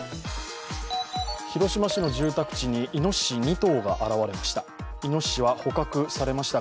広島市の住宅地にいのしし２頭が現れました。